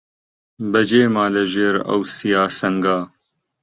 بەجێ ما لە ژێر ئەو سیا سەنگا